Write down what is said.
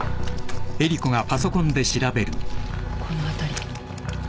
この辺り。